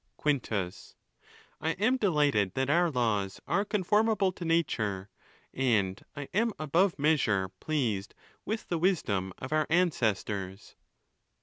XXV. Quintus.—I am delighted that our laws are con formable to nature, and I am above measure pleased with the wisdom of our ancestors.